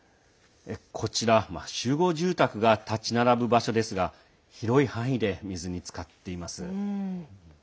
集合住宅が立ち並ぶ場所ですが広い範囲で水につかっています。